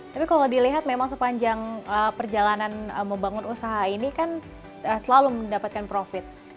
tapi kalau dilihat memang sepanjang perjalanan membangun usaha ini kan selalu mendapatkan profit